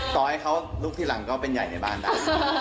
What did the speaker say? ต่อให้เขาลุกทีหลังก็เป็นใหญ่ในบ้านได้